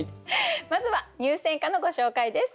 まずは入選歌のご紹介です。